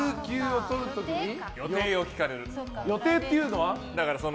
予定っていうのは？